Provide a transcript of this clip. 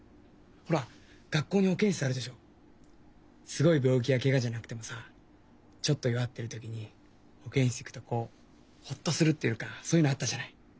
すごい病気やけがじゃなくてもさちょっと弱ってる時に保健室行くとこうほっとするっていうかそういうのあったじゃない。